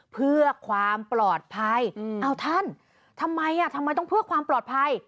เพื่อความปลอดภัยเอาท่านทำไมอ่ะทำไมทำไมต้องเพื่อความปลอดภัย